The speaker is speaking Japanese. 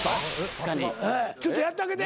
ちょっとやってあげて。